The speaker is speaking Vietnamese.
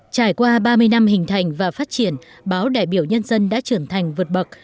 trải qua ba mươi năm hình thành và phát triển báo đại biểu nhân dân đã trưởng thành vượt bậc